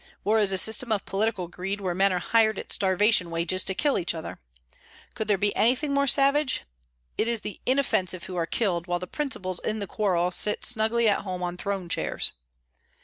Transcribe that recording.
War is a system of political greed where men are hired at starvation wages to kill each other. Could there be anything more savage? It is the inoffensive who are killed, while the principals in the quarrel sit snugly at home on throne chairs.